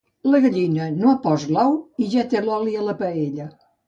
La gallina no ha post l'ou, i ja té l'oli a la paella.